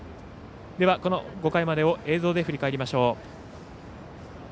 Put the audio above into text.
この５回までを映像で振り返りましょう。